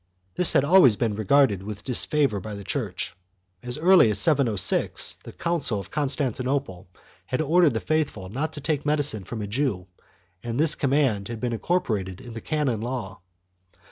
This had always been regarded with disfavor by the Church. As early as 706 the council of Constantinople had ordered the faithful not to take medicine from a Jew, and this command had been incorporated in the canon law.